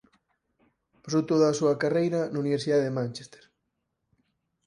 Pasou toda a súa carreira na Universidade de Manchester.